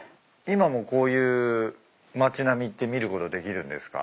今もこういう町並みって見ることできるんですか？